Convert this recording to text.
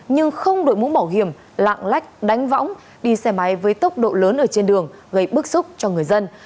nhưng không đội mũ bảo hiểm lạng lách đánh võng đi xe máy với tốc độ lớn ở trên đường gây bức xúc cho người dân